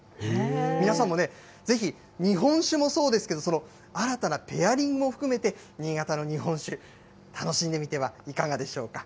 皆さんもね、ぜひ日本酒もそうですけど、新たなペアリングを含めて、新潟の日本酒、楽しんでみてはいかがでしょうか。